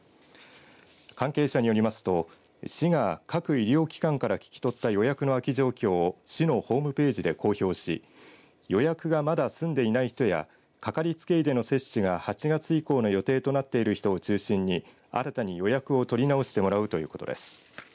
関係者によりますと市が各医療機関から聞き取った予約の空き状況を市のホームページで公表し予約がまだ済んでいない人やかかりつけ医での接種が８月以降の予定となっている人を中心に新たに予約を取り直してもらうということです。